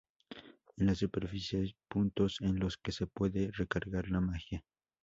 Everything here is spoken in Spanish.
En la superficie hay puntos en los que se puede recargar la magia.